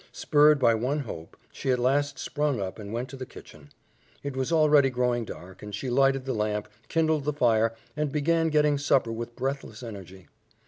Spurred by one hope, she at last sprung up and went to the kitchen. It was already growing dark, and she lighted the lamp, kindled the fire, and began getting supper with breathless energy.